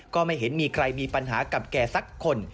ก็ไม่เห็นมีใครมีปัญหากับแกสักคน